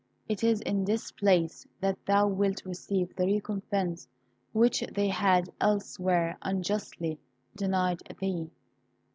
It is in this place that thou wilt receive the recompence which they have elsewhere unjustly denied thee.